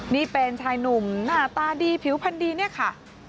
นี่เป็นชายหนุ่มหน้าตาดีผิวพันดีเนี่ยค่ะ